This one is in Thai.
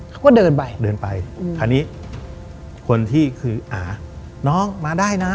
เขาก็เดินไปเดินไปคราวนี้คนที่คืออาน้องมาได้นะ